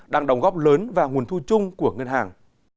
đang đồng góp lớn vào nguồn thu chung của ngân hàng